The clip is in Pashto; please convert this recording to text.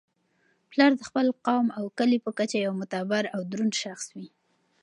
پلار د خپل قوم او کلي په کچه یو معتبر او دروند شخص وي.